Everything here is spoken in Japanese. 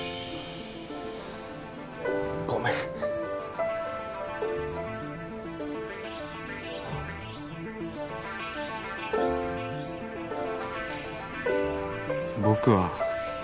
ごめん僕は